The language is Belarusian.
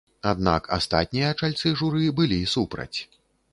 Аднак астатнія чальцы журы былі супраць.